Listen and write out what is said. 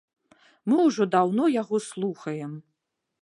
Мы ўжо даўно яго слухаем.